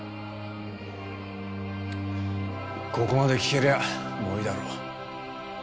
ここまで聞けりゃもういいだろ。